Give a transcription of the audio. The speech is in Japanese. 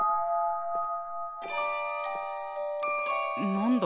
何だ？